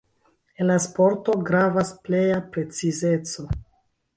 En la sporto gravas pleja precizeco.